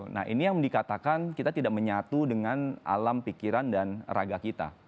nah ini yang dikatakan kita tidak menyatu dengan alam pikiran dan raga kita